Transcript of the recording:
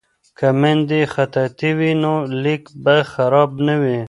که میندې خطاطې وي نو لیک به خراب نه وي.